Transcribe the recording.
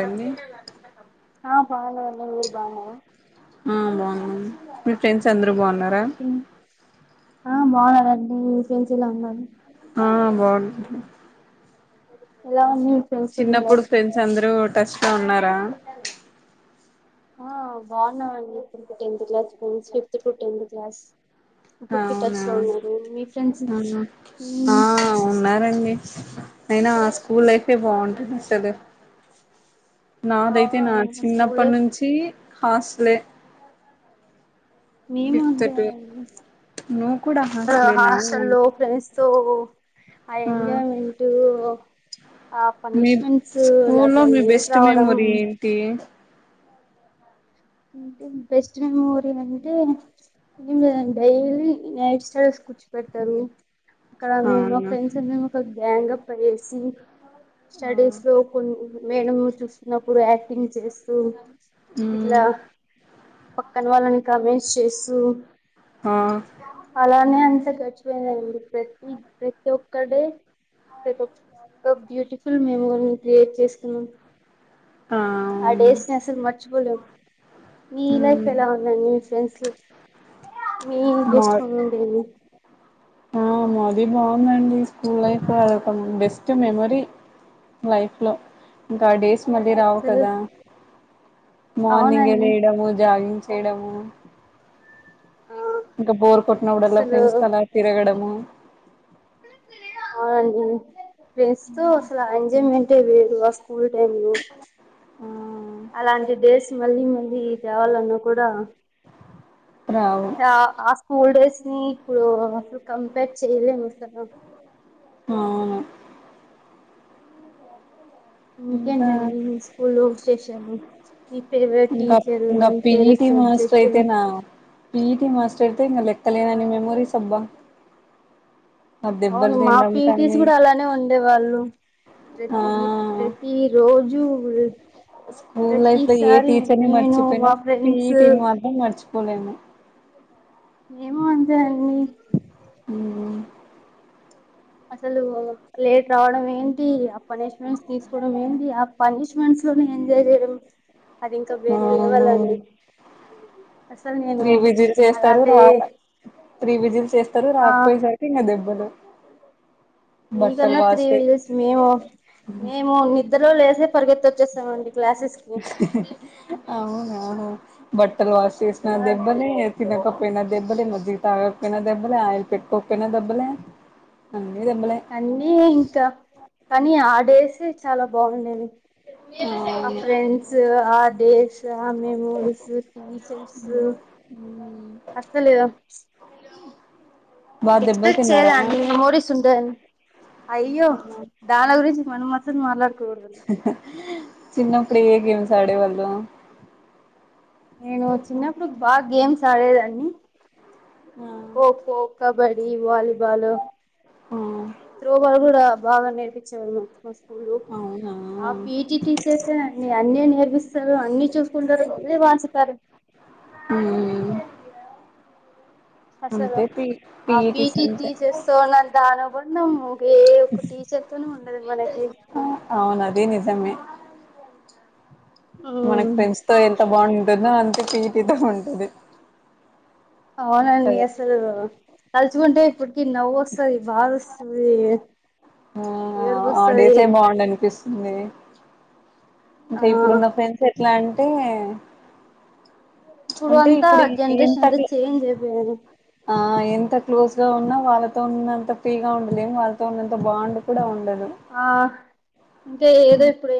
అండి ఆ బానే ఉన్న మీరు బాగున్నారా. ఆ బాగున్నాము మీ ఫ్రెండ్స్ అందరు బాగున్నారా. ఆ బాగున్నారండి మీ ఫ్రెండ్స్ ఎలా ఉన్నారు. ఆ బాగున్నము. ఎలా ఉంది మీ ఫ్రెండ్స్ తో మీ లైఫ్. ఫ్రెండ్స్ అందరూ టచ్ లో ఉన్నారా ఆ బాగున్న మండి. [unintelligible] ఫిఫ్త్ టూ టెన్ క్లాస్ ఇప్పటికి అవున టచ్ లో ఉన్నారు మీ ఫ్రెండ్స్ ఆ ఉన్నారండి. అయినా స్కూల్ లైఫే బాగుంటుంది అసలు నాదైతే నా అవునండి స్కూల్ చిన్నప్పటి లైఫ్ నుంచి హాస్లే మేము అంతే టు నువ్వు కూడా ఆ హాస్టలేనా హాస్టల్లో ఫ్రెండ్స్ తో అ ఆ ఎంజయమెంట్. ఆ మీ పనిష్మెంట్స్ స్కూల్లో అట్లా మీ లేట్ బెస్ట్ రావడం. మెమొరీ ఏంటి బెస్ట్ మెమోరి అంటే డైలీ నైట్ స్టడీ. కూర్చుపెడతాము. అక్కడ మేము ఒక అవునా మేము ఒక గ్యాంగ్ అప్ ఆయేసి. ఆ స్టడీస్ లో కొ మేడం చూస్తున్నప్పుడు యాక్టింగ్ చేస్తూ ఉమ్ ఇట్లా పక్కన వాళ్ళని కామెంట్స్ చేస్తూ, ఆ అలానే అ గడిచిపోయిందండి. ప్రతి ఒక్క డే బ్యూటిఫుల్ మెమోరీని క్రియేట్ చేసుకున్నాం. ఆ డేస్ ని అసలు మర్చిపోలేము మీ లైఫ్ హ్మ్ ఎలా ఉందండి. మీ ఫ్రెండ్స్ లో మీ మా బెస్ట్ పం ఉండేది. ఆ మాది బాగుందండి స్కూల్ లైఫ్ అదొ బెస్ట్ మెమరీ లైఫ్ లో ఇంకా ఆ డేస్ మళ్లీ రావు అసలు కదా మార్నింగ్ ఎ అవునండి లేడము జాగి గ్ చేయడం. ఆ ఇంకా బోర్ కొట్టినప్పుడల్లా అసలు ఫ్రెండ్స్ అలా తిరగడము. అవునండి. ఫ్రెండ్స్ తో అసలు ఎంజాయ్మెంట్ వేరు ఆ స్కూల్ టైమ్ లో ఆ! అలాంటి డేస్ మళ్ళీ మళ్ళీ రావాలన్నా కూడా రావు ఆ స్కూల్ డేస్ ని ఇప్పుడు అసలు కంపేర్ చేయలేము అసలు. అవును ఇంకా ఇంకేంటండి మీ స్కూల్లో విశేషాలు. మీ ఫేవరెట్ ఇంకా టీచరు ఇంకా మీ ఫేవరెట్ సబ్జెక్ట్. పిటి మాస్టర్ లెక్కలేనన్నీ మెమోరీస్ అబ్బా. ఆ దెబ్బలు అవును మా తినడం పీటీస్ కానీ కూడా అలానే ఉండే వాళ్ళు ప్రతిది. ఆ ఈ రోజు స్కూల్ లైఫ్ లో ఏ ప్రతిసారి టీచర్ ని నేను మర్చిపోయినా మా ఫ్రెండ్స్ పీటీని మాత్రం మర్చిపో లేము. ఏమో అందరని మ్మ్ అసలు లేట్ రావడం ఏంటి ఆ పనిష్మెంట్స్ తీసుకోవడం ఏంటి ఆ పనిష్ మస్ లోనే ఎంజాయ్ చేయడం అది ఇంకా వేరే అవును లెవాలని అసలు నేను అలాంటి ప్రీ విజులు చేస్తారు ఆ రాకపోయేసారికి ఇంకా దెబ్బలు బట్టలు మీకన్నా త్రీ వాష్ చే వీల్స్ మేము మేము నిద్రలో లేసే వచ్చేాండిలా అవునుహ బట్టలు వాసస్తునా ఆ దెబ్బని తినకప్పు క్కనా దబ్బలే మీకి తాగక్కనా దబ్బలే ఆయ పిట్ట ఒకక్కనా దబ్బలే కాన్న ఇంకా కానీ ఆ డేస్ చాలా బాగుండేది ఆ అవును ఫ్రెండ్స్ ఆ డేస్ ఆ మెమోరీస్ టీచర్స్ అసలు బా ఇంత దెబ్బలు తిన్నారా చేేదా నిను మోడి సున్ అయ్యో దాన గురించి మనుమ స మళ్ళగ చిన్న పడ ఏ గ సాడే వాళు నేను చిన్నప్పుడు బాగా గేమ్స్ ఆడేదాన్ని ఖోఖో కబడ్డీ వాలీబాల్ ఆ త్రోబాల్ కూడా బాగా నేర్పించేవారు స్కూల్ అవునా ఆ పిటి టీచర్ అన్న నేర్పిస్త అన్ని చూసుకుంటారు ఎళ్ళే వాంచుతారు మ్మ్ అసలు అంతే పి ఆ పిఈటిస్ పీటి అంతే తీసస్తస్తున్న దానుబ అన్నా ఏ ఒ టీచర్ తోనే ఉండదు మనకి ఆ, అవును అది నిజమే మనకి ఉమ్ ఫ్రెండ్స్ తో ఎంత బాగుంటుందో అంతే పీటీతో ఉంటుది అవునండి అసలు తలుచుకుంటే ఇప్పటికి నవ్వుొస్తుంది బాగా వస్తుంది ఆ ఏడు ఆ బసయి డేసే బాగుండు అనిపిస్తుంది ఇంకా ఇప్పుడున్న ఫ్రెండ్స్ ఎట్లా అంటే అంటే అంతా ఇప్పుడు జనరేషన్ ఎంత అంతా చేంజ్ అయిపోయారు ఆ ఎంత క్లోజ్ గా ఉన్నా వాళ్ళతో ఉన్నంత ఫీగా ఉండదుం వాళ్ళతో ఉన్నంత బాండ్ కూడా ఉండదు ఆ ఇంకాే ఏదో ఇప్పుడ